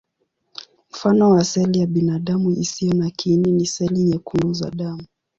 Mfano wa seli ya binadamu isiyo na kiini ni seli nyekundu za damu.